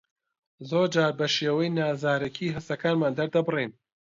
زۆرجار بە شێوەی نازارەکی هەستەکانمان دەردەبڕین.